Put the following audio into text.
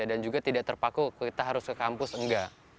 dan juga tidak terpaku kita harus ke kampus enggak